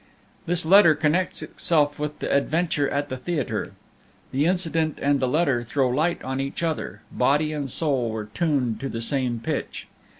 This letter connects itself with the adventure at the theatre. The incident and the letter throw light on each other, body and soul were tuned to the same pitch.